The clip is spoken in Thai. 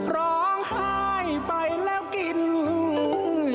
ร้องหายไปแล้วกินอย่างสุภาษาเท่าไหร่